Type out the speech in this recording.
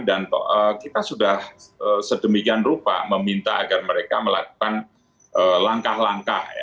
dan kita sudah sedemikian rupa meminta agar mereka melakukan langkah langkah